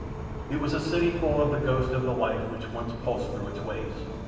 It was a city full of the ghosts of the life which once pulsed through its ways.